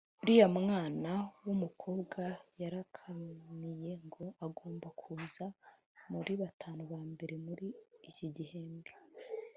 uriya mwana wumukobwa yarakamiye mgo agomba kuza muri batanu ba mbere muri iki gihembwe